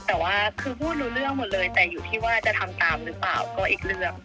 แต่ว่าคือพูดรู้เรื่องหมดเลยแต่อยู่ที่ว่าจะทำตามหรือเปล่าก็อีกเรื่อง